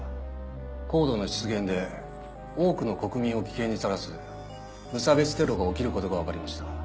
ＣＯＤＥの出現で多くの国民を危険にさらす無差別テロが起きることが分かりました。